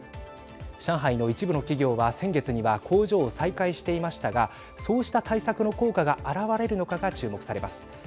上海の一部の企業は、先月には工場を再開していましたがそうした対策の効果が表れるのかが注目されます。